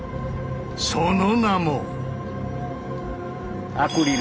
その名も。